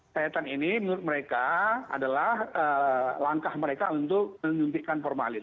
sayatan ini menurut mereka adalah langkah mereka untuk menyuntikkan formalin